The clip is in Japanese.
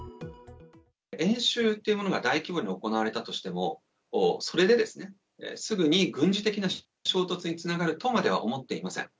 演習というものが大規模に行われたとしても、それで、すぐに軍事的な衝突につながるとまでは思っていません。